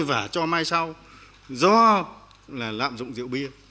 và mai sau do là làm dụng rượu bia